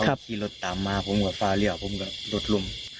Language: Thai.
ขี้รถตามมาผมกับเพ้าเลี่ยวผมก็รถลุ่ม